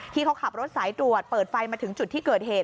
ที่เขาขับรถสายตรวจเปิดไฟมาถึงจุดที่เกิดเหตุ